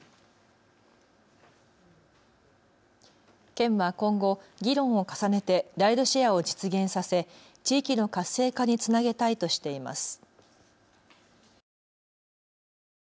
県は今後、議論を重ねてライドシェアを実現させ、地域の活性化につなげたいとしています。